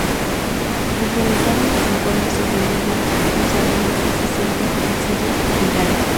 Tras realizar unos informes sobre Libia, sus análisis se centran en Siria e Irán.